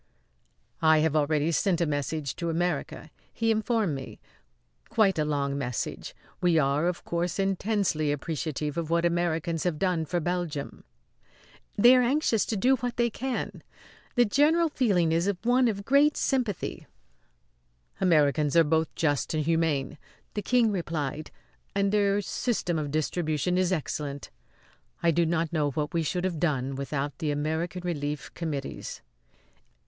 "I have already sent a message to America," he informed me; "quite a long message. We are, of course, intensely appreciative of what Americans have done for Belgium." "They are anxious to do what they can. The general feeling is one of great sympathy." "Americans are both just and humane," the King replied; "and their system of distribution is excellent. I do not know what we should have done without the American Relief Committees."